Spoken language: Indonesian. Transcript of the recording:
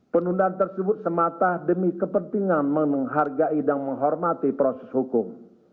penundaan tersebut semata demi kepentingan menghargai dan menghormati proses hukum